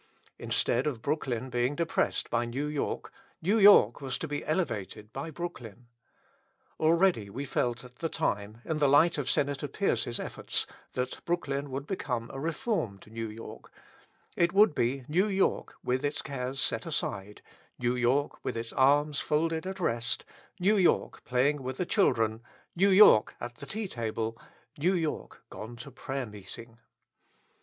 Instead of Brooklyn being depressed by New York, New York was to be elevated by Brooklyn. Already we felt at that time, in the light of Senator Pierce's efforts, that Brooklyn would become a reformed New York; it would be New York with its cares set aside, New York with its arms folded at rest, New York playing with the children, New York at the tea table, New York gone to prayer meeting.